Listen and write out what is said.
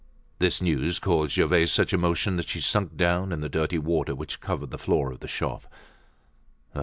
This news caused Gervaise such emotion that she sunk down in the dirty water which covered the floor of the shop.